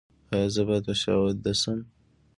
ایا زه باید په شا ویده شم؟